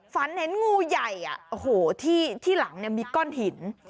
ฝันเห็นงูใหญ่โอ้โหที่หลังมีก้อนหิน